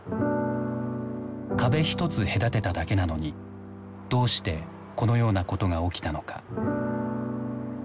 壁一つ隔てただけなのにどうしてこのようなことが起きたのか？